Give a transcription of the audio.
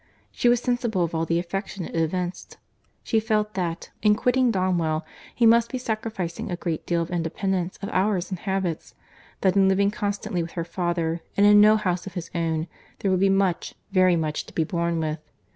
She was sensible of all the affection it evinced. She felt that, in quitting Donwell, he must be sacrificing a great deal of independence of hours and habits; that in living constantly with her father, and in no house of his own, there would be much, very much, to be borne with.